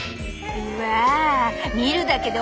うわ！